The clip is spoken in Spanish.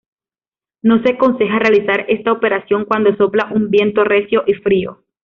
No se aconseja realizar esta operación cuando sopla un viento recio y frío.